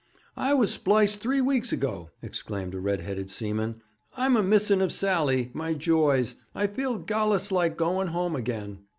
'I was spliced three weeks ago,' exclaimed a red headed seaman. 'I'm a missing of Sally, my joys. I feel gallus like going home again.'